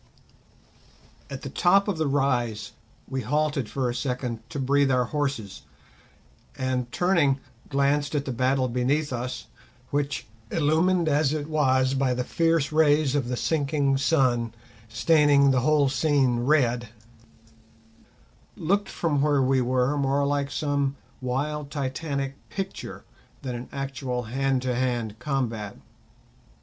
At the top of the rise we halted for a second to breathe our horses; and, turning, glanced at the battle beneath us, which, illumined as it was by the fierce rays of the sinking sun staining the whole scene red, looked from where we were more like some wild titanic picture than an actual hand to hand combat.